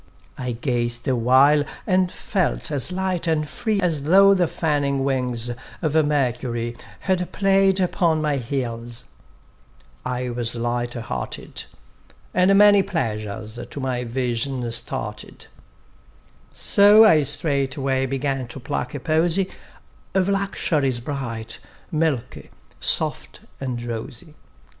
I gazed awhile, and felt as light, and free As though the fanning wings of Mercury Had played upon my heels: I was light hearted, And many pleasures to my vision started; So I straightway began to pluck a posey Of luxuries bright, milky, soft and rosy.